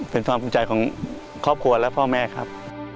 เป็นความภูมิใจของครอบครัวและพ่อแม่ครับ